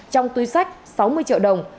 trong tuy sách sáu mươi triệu đồng